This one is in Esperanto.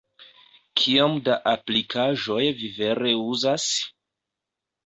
Kiom da aplikaĵoj vi vere uzas?